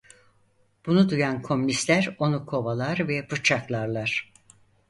Bunu duyan komünistler onu kovalar ve bıçaklarlar.